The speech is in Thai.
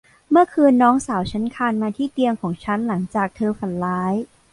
เมื่อคืนน้องสาวฉันคลานมาที่เตียงของฉันหลังจากเธอฝันร้าย